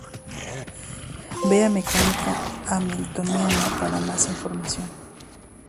Vea mecánica hamiltoniana para más información.